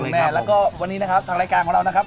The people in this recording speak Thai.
แม่แล้วก็วันนี้นะครับทางรายการของเรานะครับ